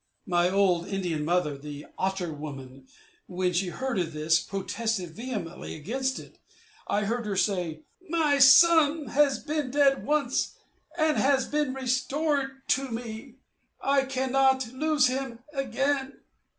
My old Indian mother, the Otter woman, when she heard of this, protested vehemently against it. I heard her say, "My son has been dead once, and has been restored to me; I cannot lose him again."